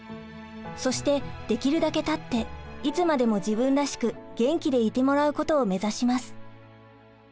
そしてできるだけ立っていつまでも自分らしく元気でいてもらうことを目指します。